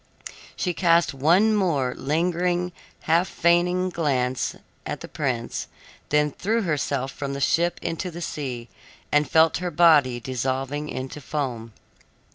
She cast one more lingering, half fainting glance at the prince, then threw herself from the ship into the sea and felt her body dissolving into foam.